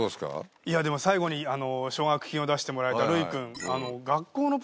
いやでも最後に奨学金を出してもらえたルイ君。